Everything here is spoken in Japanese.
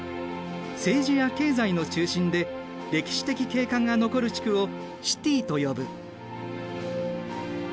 政治や経済の中心で歴史的景観が残る地区をシティと呼ぶ。